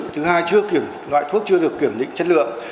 thứ hai là loại thuốc chưa được kiểm định chất lượng